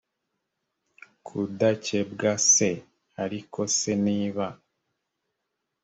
kudakebwa c ariko se niba